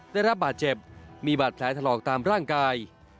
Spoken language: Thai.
ได้รับบาดเจ็บมีบาดแผลถลอกตามร่างกาย